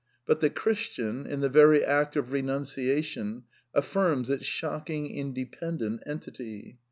But the Christian, in the very act of renunciation, affirms its shocking independent entity.